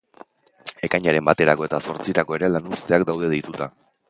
Ekainaren baterako eta zortzirako ere lanuzteak daude deituta.